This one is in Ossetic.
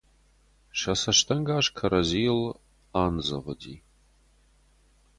Сӕ цӕстӕнгас кӕрӕдзийыл аныдзӕвди.